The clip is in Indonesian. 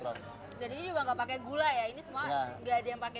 jadi ini juga gak pakai gula ya ini semua gak ada yang pakai gula